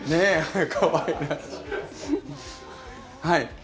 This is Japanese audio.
はい。